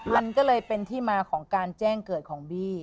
มันก็เลยเป็นที่มาของการแจ้งเกิดของบี้